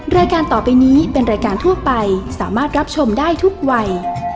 รายการต่อไปนี้เป็นรายการทั่วไปสามารถรับชมได้ทุกวัย